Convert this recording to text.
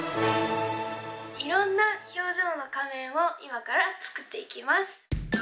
いろんな表情の仮面をいまからつくっていきます。